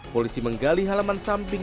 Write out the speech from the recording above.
polisi menggali halaman samping